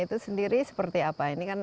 itu sendiri seperti apa ini kan